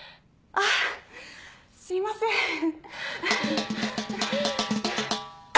あっすいません。